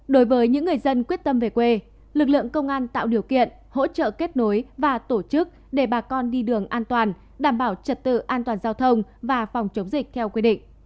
đối với những người dân quyết tâm về quê lực lượng công an tạo điều kiện hỗ trợ kết nối và tổ chức để bà con đi đường an toàn đảm bảo trật tự an toàn giao thông và phòng chống dịch theo quy định